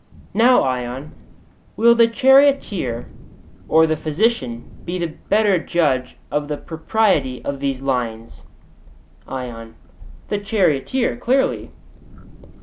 Now, Ion, will the charioteer or the physician be the better judge of the propriety of these lines? ION: The charioteer, clearly.